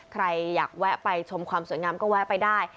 ใครอยากแวะไปชมความสวยงามก็แวะไปได้